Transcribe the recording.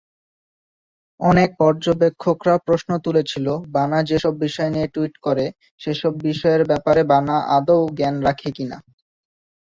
অনেক পর্যবেক্ষকরা প্রশ্ন তুলেছিল, বানা যেসব বিষয় নিয়ে টুইট করে, সেসব বিষয়ের ব্যাপারে বানা আদৌ জ্ঞান রাখে কি না।